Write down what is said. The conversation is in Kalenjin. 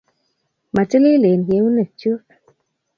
Matililen keunekchuk